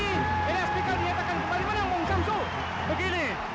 eli aspikal dinyatakan kembali menang om samso